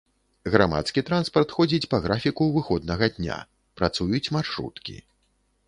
Грамадскі транспарт ходзіць па графіку выходнага дня, працуюць маршруткі.